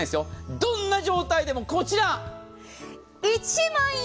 どんな状態でもこちら。